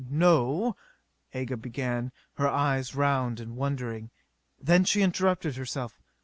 "No ..." Aga began, her eyes round and wondering. Then she interrupted herself.